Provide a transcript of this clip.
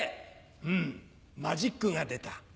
うんマジックが出た。